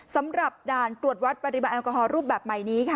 สำหรับด่านตรวจวัดปริมาณแอลกอฮอลรูปแบบใหม่นี้ค่ะ